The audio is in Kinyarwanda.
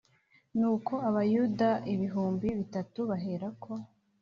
Nuko Abayuda ibihumbi bitatu baherako